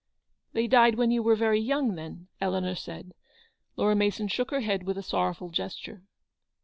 "They died when you were very young, then?" Eleanor said. Laura Mason shook her head with a sorrowful gesture.